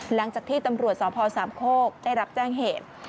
หลังจากที่ตำรวจสพสามโคกได้รับแจ้งเหตุ